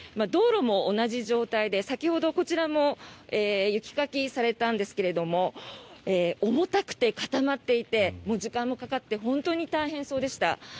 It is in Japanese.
道路も同じ状態で先ほど、こちらも雪かきされたんですが重たくて固まっていて時間もかかって本当に大変そうでした。